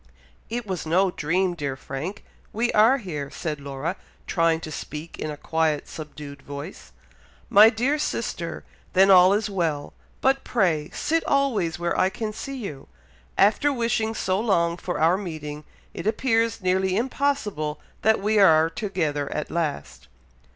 "It was no dream, dear Frank! we are here," said Laura, trying to speak in a quiet, subdued voice. "My dear sister! then all is well! but pray sit always where I can see you. After wishing so long for our meeting, it appears nearly impossible that we are together at last."